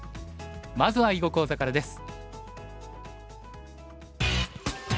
まずは囲碁講座からです。